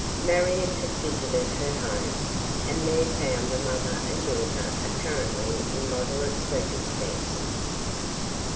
Marion had visited her home, and there found the mother and daughter apparently in moderate circumstances.